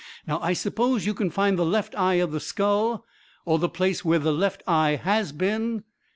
Now, I suppose, you can find the left eye of the skull, or the place where the left eye has been.